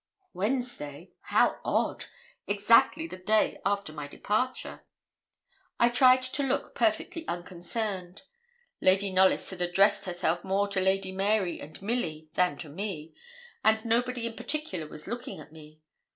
Wednesday! how odd. Exactly the day after my departure. I tried to look perfectly unconcerned. Lady Knollys had addressed herself more to Lady Mary and Milly than to me, and nobody in particular was looking at me.